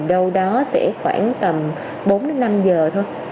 đâu đó sẽ khoảng tầm bốn năm giờ thôi